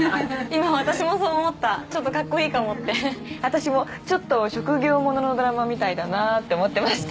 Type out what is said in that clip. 今私もそう思ったちょっとかっこいいかもって私もちょっと職業もののドラマみたいだなーって思ってました